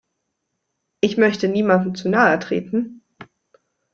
Ich möchte niemandem zu nahe treten.